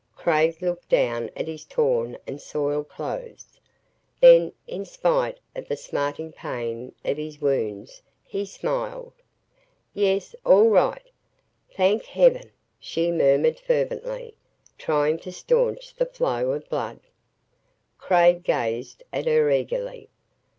Craig looked down at his torn and soiled clothes. Then, in spite of the smarting pain of his wounds, he smiled, "Yes all right!" "Thank heaven!" she murmured fervently, trying to staunch the flow of blood. Craig gazed at her eagerly.